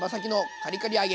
カリカリ揚げ！